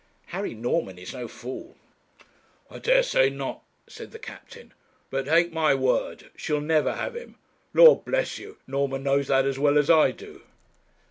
'Harry Norman is no fool.' 'I dare say not,' said the captain; 'but take my word, she'll never have him Lord bless you, Norman knows that as well as I do.'